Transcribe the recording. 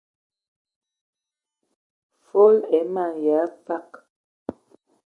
Fol e man yə afag.